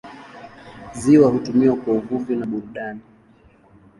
Ziwa hutumiwa kwa uvuvi na burudani.